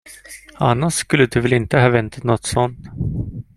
Annars skulle du väl inte ha väntat något sådant.